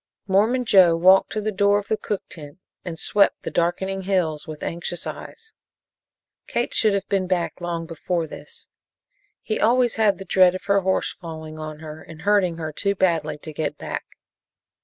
Mormon Joe walked to the door of the cook tent and swept the darkening hills with anxious eyes. Kate should have been back long before this. He always had a dread of her horse falling on her and hurting her too badly to get back.